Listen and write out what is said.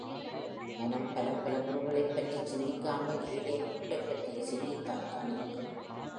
மனம் பலபல பொருள்களைப் பற்றிச் சிந்திக்காமல் ஏதேனும் ஒன்றைப் பற்றியே சிந்தித்தால்தான் இருக்கும்.